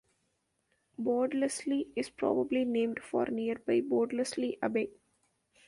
Bordesley is probably named for nearby Bordesley Abbey.